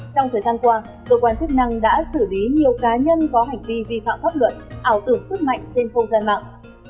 trong thời gian qua cơ quan chức năng đã xử lý nhiều cá nhân có hành vi vi phạm pháp luật ảo tưởng sức mạnh trên không gian mạng